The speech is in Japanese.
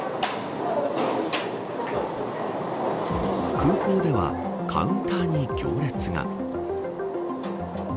空港では、カウンターに行列が。